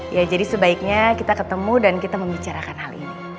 ya jadi sebaiknya kita ketemu dan kita membicarakan hal ini